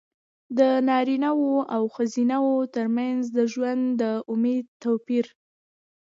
د نارینه وو او ښځینه وو ترمنځ د ژوند د امید توپیر.